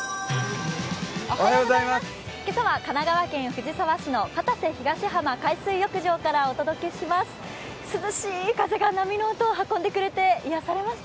今朝は神奈川県藤沢市の片瀬東浜海水浴場からお届けします。